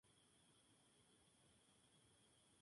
Fue relevante la presencia del notable tenor Giuseppe di Stefano.